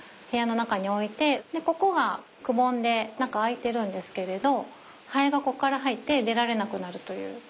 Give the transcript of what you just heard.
部屋の中に置いてここがくぼんで中開いてるんですけれどハエがここから入って出られなくなるという。